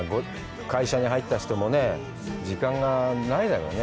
会社に入った人もね、時間がないだろうね。